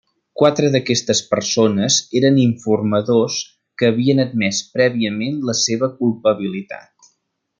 Quatre d'aquestes persones eren informadors que havien admès prèviament la seva culpabilitat.